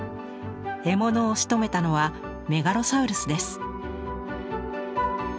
獲物をしとめたのはメガロサウルスです。